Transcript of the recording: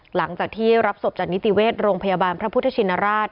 หลังจากที่รับศพจากนิติเวชโรงพยาบาลพระพุทธชินราช